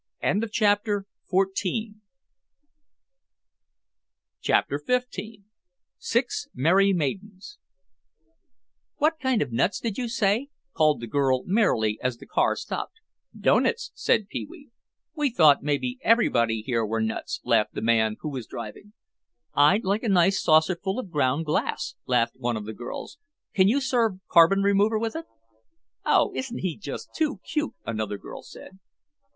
CHAPTER XV SIX MERRY MAIDENS "What kind of nuts did you say?" called a girl merrily, as the car stopped. "Doughnuts," said Pee wee. "We thought maybe everybody here were nuts," laughed the man who was driving. "I'd like a nice saucerful of ground glass," laughed one of the girls. "Can you serve carbon remover with it?" "Oh, isn't he just too cute!" another girl said.